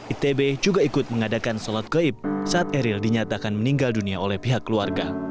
itb juga ikut mengadakan sholat gaib saat eril dinyatakan meninggal dunia oleh pihak keluarga